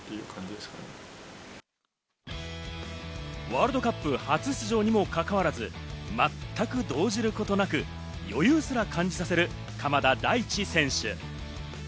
ワールドカップ初出場にもかかわらず、全く動じることなく、余裕すら感じさせる鎌田大地選手。